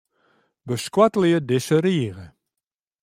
Beskoattelje dizze rige.